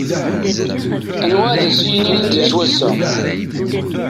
Anwa ad as-yinin a d-yass wass-a.